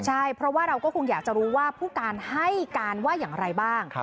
ใช่เพราะว่าเราก็คงอยากจะรู้ว่าผู้การให้การว่าอย่างไรบ้าง